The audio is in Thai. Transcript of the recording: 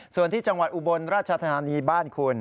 ส่วนที่จังหวัดอุบลราชธานีบ้านคุณ